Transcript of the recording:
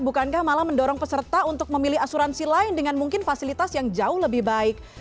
bukankah malah mendorong peserta untuk memilih asuransi lain dengan mungkin fasilitas yang jauh lebih baik